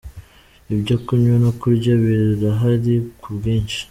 Ibyo kunywa no kurya birahari ku bwinshi.